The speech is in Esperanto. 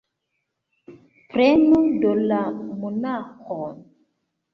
Prenu do la monaĥon!